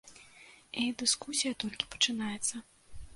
І дыскусія толькі пачынаецца.